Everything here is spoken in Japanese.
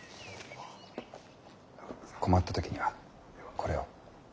困った時にはこれを。